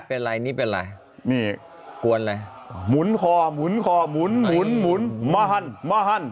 เป็นไรนี่เป็นอะไรมุนคอมุนมุนมุนม้าน